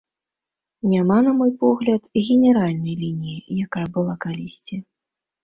Няма, на мой погляд, генеральнай лініі, якая была калісьці.